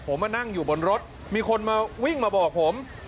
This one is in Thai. ผมมานั่งอยู่บนรถมีคนมาวิ่งมาบอกผม